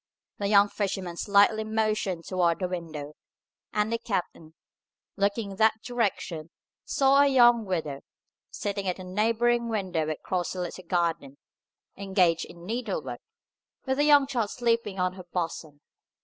The young fisherman slightly motioned toward the window, and the captain, looking in that direction, saw a young widow, sitting at a neighbouring window across a little garden, engaged in needlework, with a young child sleeping on her bosom.